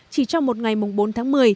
chỉ trong một ngày mùng bốn tháng một mươi